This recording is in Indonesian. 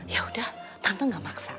yaudah tante nggak maksa